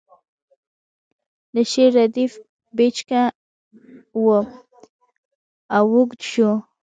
د شعر ردیف پیچکه و او اوږد شو